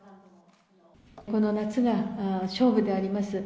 この夏が勝負であります。